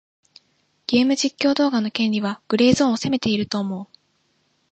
ゲーム実況動画の権利はグレーゾーンを攻めていると思う。